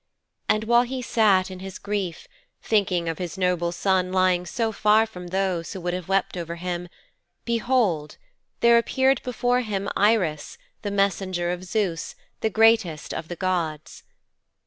And while he sat in his grief, thinking of his noble son lying so far from those who would have wept over him, behold! there appeared before him Iris, the messenger of Zeus, the greatest of the Gods.